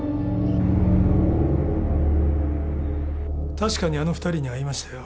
確かにあの２人に会いましたよ。